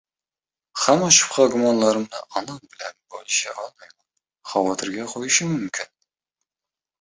Hamma shubha-gumonlarimni onam bilan bo'lisha olmayman, havotirga qo'yishim mumkin.